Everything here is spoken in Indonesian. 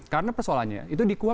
karena persoalannya itu dikuat